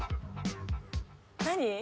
何？